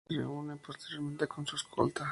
Ella se reúne posteriormente con su escolta.